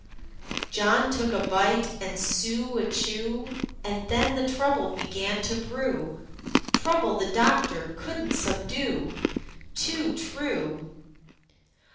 John took a bite and Sue a chew, And then the trouble began to brew,—Trouble the doctor could n't subdue. Too true!